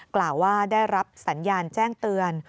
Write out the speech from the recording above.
กล่าวว่าได้รับสัญญาณแจ้งเตือน